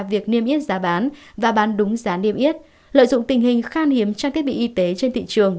việc niêm yết giá bán và bán đúng giá niêm yết lợi dụng tình hình khan hiếm trang thiết bị y tế trên thị trường